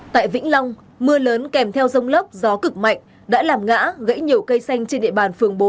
tại vĩnh long mưa lớn kèm theo rông lốc gió cực mạnh đã làm ngã gãy nhiều cây xanh trên địa bàn phường bốn